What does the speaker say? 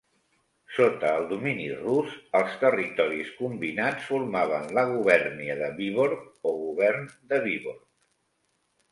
Sota el domini rus, els territoris combinats formaven la gubèrnia de Víborg o govern de Víborg.